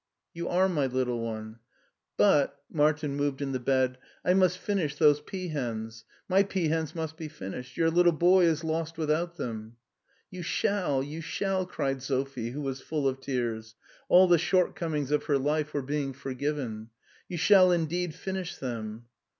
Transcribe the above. " You are my little one." " But "— Martin moved in the bed —*' I must finish those peahens. My peahens must be finished. Your little boy is lost without them." " You shall, you shall," cried Sophie, who was full of tears. All the shortcomings of her life were being forgiven. " You shall indeed finish them."